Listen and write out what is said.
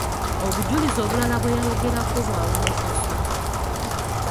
Obujulizi obulala bwe bayogerako bwa wolokoso.